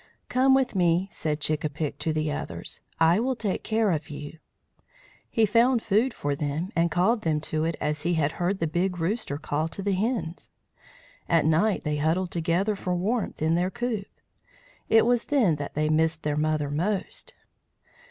"Come with me," said Chick a pick to the others. "I will take care of you." He found food for them, and called them to it as he had heard the Big Rooster call to the hens. At night they huddled together for warmth in their coop. It was then that they missed their mother most.